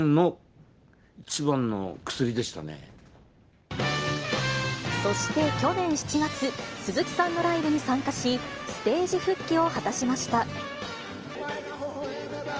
一番の、そして去年７月、鈴木さんのライブに参加し、ステージ復帰を果たしました。